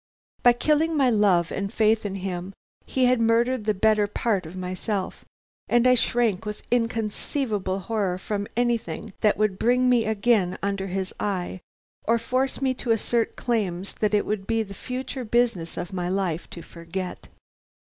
By killing my love and faith in him he had murdered the better part of myself, and I shrank with inconceivable horror from anything that would bring me again under his eye, or force me to assert claims that it would be the future business of my life to forget.